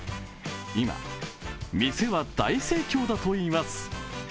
今、店は大盛況だといいます。